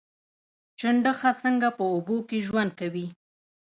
چنډخه څنګه په اوبو کې ژوند کوي؟